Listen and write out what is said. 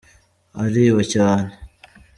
ariba cyane.